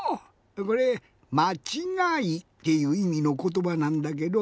これまちがいっていういみのことばなんだけど。